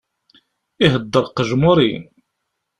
Ihedder qejmuri!